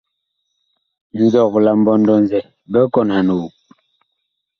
Nzɔg la mbɔndɔ-zɛ big kɔnhan woŋ.